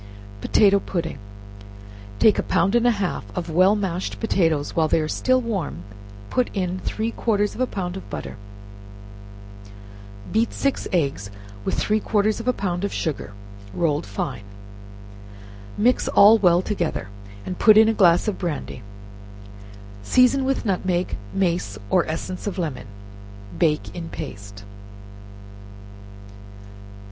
Potato Pudding. Take a pound and a half of well mashed potatoes; while they are warm put in three quarters of a pound of butter; beat six eggs with three quarters of a pound of sugar, rolled fine, mix all well together, and put in a glass of brandy; season with nutmeg, mace or essence of lemon, and bake in paste.